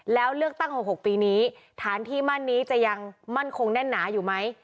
แล้วเลือกตั้ง๖๖ปีนี้ฐานที่มั่นนี้จะยังมั่นคงแน่นหนาอยู่ไหม